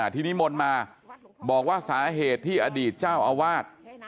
ทีนี้นิมนต์มาบอกว่าสาเหตุที่อดีตเจ้าอาวาส